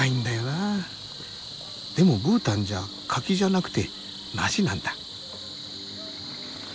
でもブータンじゃ柿じゃなくて梨なんだ。